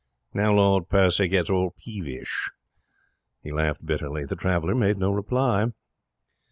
Now Lord Percy gets all peevish.' He laughed bitterly. The traveller made no reply.